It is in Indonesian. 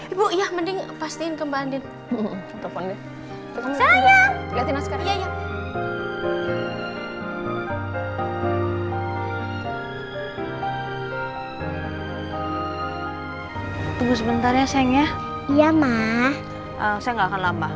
ibu ya mending pastiin kembali teleponnya saya lihatnya sekarang ya